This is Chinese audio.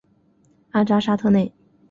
阿扎沙特内。